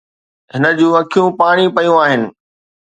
هن جون اکيون پاڻي پيون آهن.